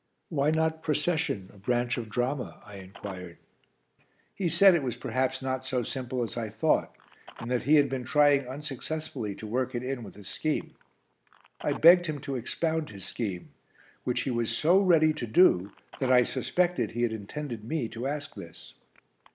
"Why not procession a branch of drama?" I inquired. He said it was perhaps not so simple as I thought, and that he had been trying unsuccessfully to work it in with his scheme. I begged him to expound his scheme, which he was so ready to do that I suspected he had intended me to ask this.